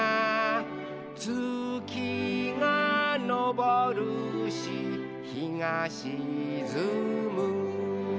「つきがのぼるしひがしずむ」